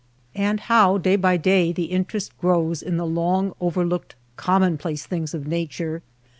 And how day by day the interest grows in the long overlooked commonplace things of nature